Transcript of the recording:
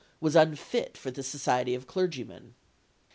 was unfit for the society of clergymen.